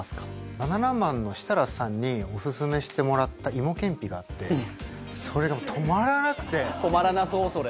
バナナマンの設楽さんにお勧めしてもらった芋けんぴがあって、止まらなそう、それ。